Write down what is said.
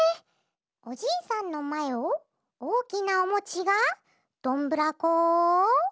「おじいさんのまえをおおきなおもちがどんぶらこ」。